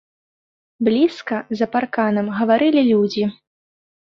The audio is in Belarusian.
Блізка, за парканам, гаварылі людзі.